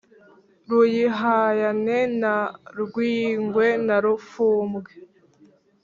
tuyihayane na rwingwe na rufumbwe